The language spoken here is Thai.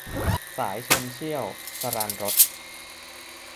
สายชลเชี่ยว - สราญรส